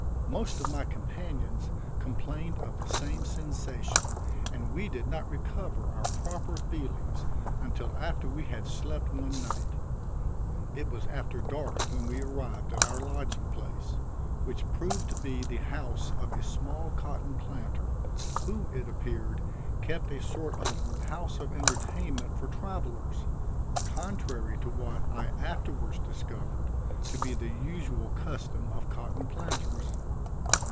Most of my companions complained of the same sensation, and we did not recover our proper feelings until after we had slept one night. It was after dark when we arrived at our lodging place, which proved to be the house of a small cotton planter, who, it appeared, kept a sort of a house of entertainment for travelers, contrary to what I afterwards discovered to be the usual custom of cotton planters.